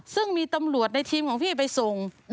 ซึ่งมีตำรวจในทีมของพี่ไปส่ง